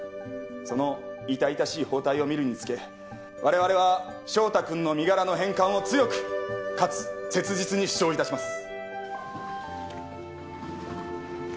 その痛々しい包帯を見るにつけ我々は翔太君の身柄の返還を強くかつ切実に主張いたします。